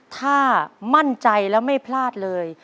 ถ้ามั่นใจแล้วไม่พลาดเลย